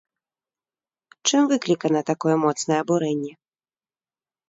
Чым выклікана такое моцнае абурэнне?